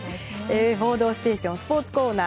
「報道ステーション」スポーツコーナー